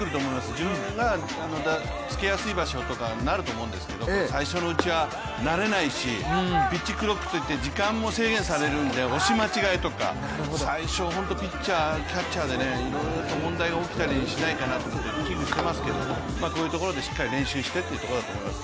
自分がつけやすい場所とかになると思うんですけど最初のうちは、慣れないし、ピッチクロックといって時間も制限されるんで押し間違いとか、最初本当ピッチャー、キャッチャーでいろいろと問題が起きたりしないかなって危惧してますけどこういうところでしっかり練習してというところだと思います。